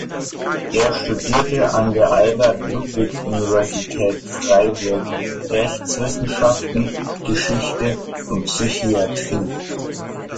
Er studierte an der Albert-Ludwigs-Universität Freiburg Rechtswissenschaften, Geschichte und Psychiatrie.